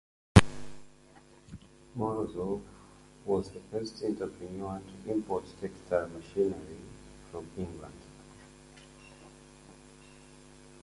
Morozov was the first entrepreneur to import textile machinery from England.